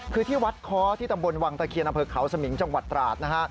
คือที่วัดค้อที่ตำบลวังตะเคียนอำเภอเขาสมิงจังหวัดตราดนะฮะ